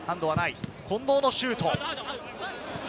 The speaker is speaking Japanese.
近藤のシュート。